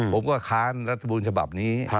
ผมก็ค้านโรงเรียนสมบูรณ์ฉบับนี้